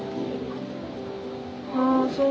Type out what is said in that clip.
ああそう。